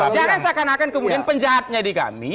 jangan seakan akan kemudian penjahatnya di kami